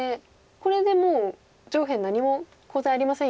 これでもう「上辺何もコウ材ありませんよ」と。